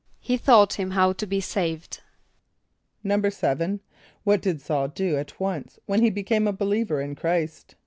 =He taught him how to be saved.= =7.= What did S[a:]ul do at once when he became a believer in Chr[=i]st?